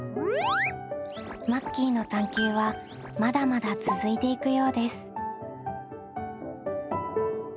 マッキーの探究はまだまだ続いていくようです。